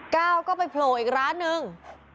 ก้าวก็ไปโผล่อีกร้านนึง